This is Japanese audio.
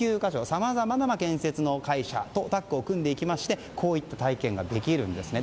さまざまな建設の会社とタッグを組んでいきましてこういった体験ができるんです。